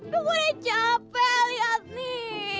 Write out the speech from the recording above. tuh gue capek liat nih